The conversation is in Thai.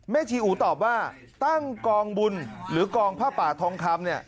ชีอูตอบว่าตั้งกองบุญหรือกองผ้าป่าทองคำเนี่ย